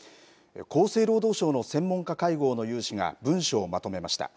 厚生労働省の専門家会合の有志が文書をまとめました。